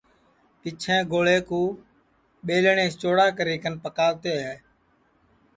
پیچھیں گوݪے کُو ٻیلٹؔیس چوڑی کری کن پکاوتے ہے